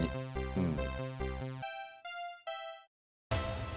うん。